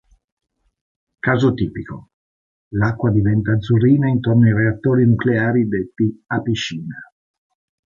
Caso tipico: l'acqua diventa azzurrina intorno ai reattori nucleari detti "a piscina".